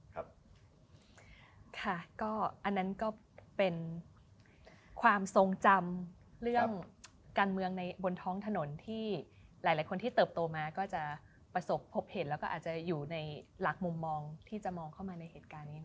ค่ะก็อันนั้นก็เป็นความทรงจำเรื่องการเมืองในบนท้องถนนที่หลายคนที่เติบโตมาก็จะประสบพบเห็นแล้วก็อาจจะอยู่ในหลักมุมมองที่จะมองเข้ามาในเหตุการณ์นี้นะคะ